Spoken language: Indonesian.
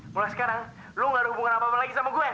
mulai sekarang lu gak ada hubungan apa apa lagi sama gue